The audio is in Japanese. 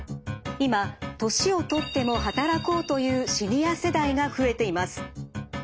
今年を取っても働こうというシニア世代が増えています。